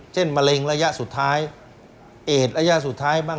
มะเร็งระยะสุดท้ายเอดระยะสุดท้ายบ้าง